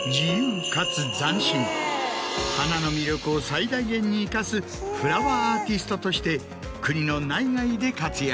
花の魅力を最大限に生かすフラワーアーティストとして国の内外で活躍。